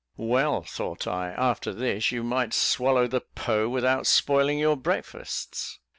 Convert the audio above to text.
"Well," thought I, "after this, you might swallow the Po without spoiling your breakfasts."